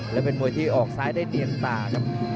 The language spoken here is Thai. และเป็นมวยที่ออกซ้ายได้เนียนตาครับ